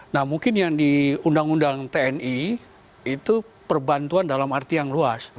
nah mungkin yang di undang undang tni itu perbantuan dalam arti yang luas